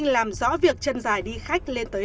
làm rõ việc chân dài đi khách lên tới